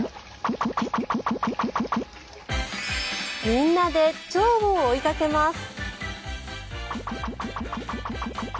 みんなでチョウを追いかけます。